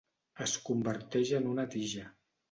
Es converteix en una tija.